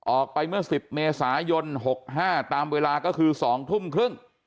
ออกไปเมื่อ๑๐เมษายน๖๕ตามเวลาก็คือ๒ทุ่มครึ่ง